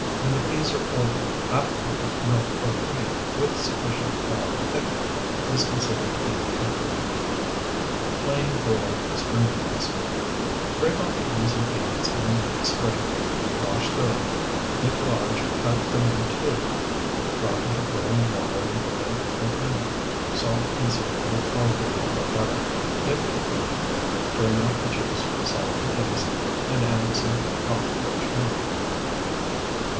When the peas are older, half a cup of milk or cream, with sufficient flour to thicken, is considered an improvement. PLAIN BOILED STRING BEANS Break off the ends of beans and string; wash thoroughly; if large cut them in two; drop into boiling water and boil till tender. Salt and season with olive oil or butter; if preferred, drain off the juice, salt to taste, and add some hot, rich milk.